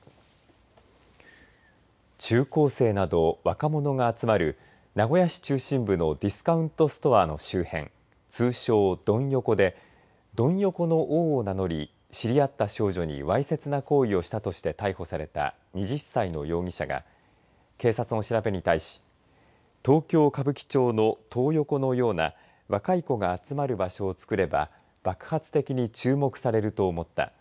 中高生など若者が集まる名古屋市中心部のディスカウントストアの周辺、通称ドン横でドン横の王を名乗り知り合った少女にわいせつな行為をしたとして逮捕された２０歳の容疑者が警察の調べに対し東京、歌舞伎町のトー横のような若い子が集まる場所をつくれば爆発的に注目されると思った。